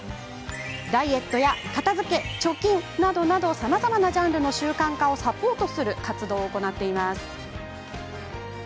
ダイエットや片づけ、貯金などさまざまなジャンルの習慣化をサポートする活動を行っています。